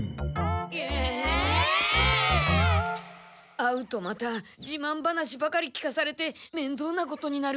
会うとまたじまん話ばかり聞かされてめんどうなことになるから。